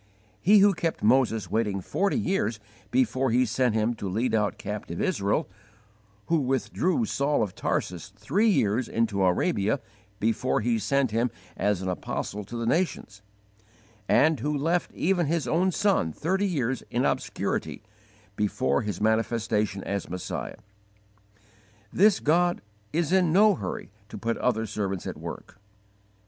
He who kept Moses waiting forty years before He sent him to lead out captive Israel, who withdrew Saul of Tarsus three years into Arabia before he sent him as an apostle to the nations, and who left even His own Son thirty years in obscurity before His manifestation as Messiah this God is in no hurry to put other servants at work.